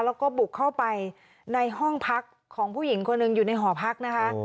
แล้วก็บุกเข้าไปในห้องพักของผู้หญิงคนหนึ่งอยู่ในหอพักนะคะ